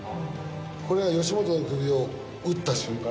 これは義元の首を打った瞬間。